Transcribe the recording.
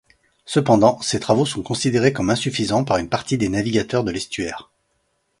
Cependant, ces travaux sont considérés comme insuffisants par une partie des navigateurs de l'estuaire.